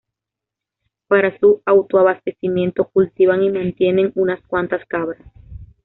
Para su autoabastecimiento cultivan y mantienen unas cuantas cabras.